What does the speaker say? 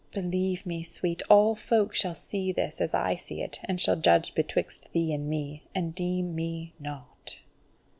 Believe me, sweet, all folk shall see this as I see it, and shall judge betwixt thee and me, and deem me naught."